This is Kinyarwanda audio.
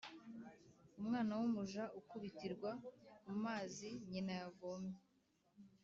Umwana w’umuja ukubitirwa ku mazi nyina yavomye.